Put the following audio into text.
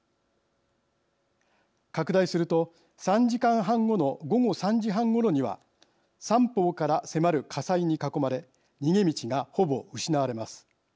拡大すると３時間半後の午後３時半ごろには三方から迫る火災に囲まれ逃げ道がほぼ失われます。